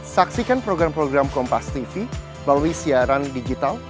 saksikan program program kompastv melalui siaran digital